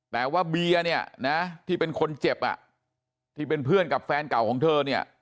แต่ว่าเบียร์เนี่ยนะที่เป็นคนเจ็บอ่ะที่เป็นเพื่อนกับแฟนเก่าของเธอเนี่ย